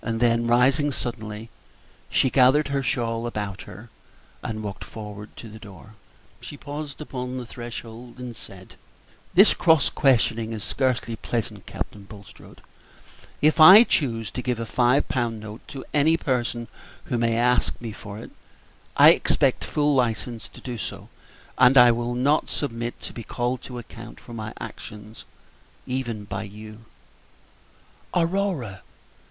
Then, rising suddenly, she gathered her shawl about her and walked toward the door. She paused upon the threshold and said, "This cross questioning is scarcely pleasant, Captain Bulstrode. If I choose to give a five pound note to any person who may ask me for it, I expect full license to do so, and I will not submit to be called to account for my actions even by you." "Aurora!"